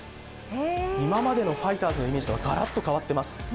今までのファイターズのイメージとはがらっと変わってます。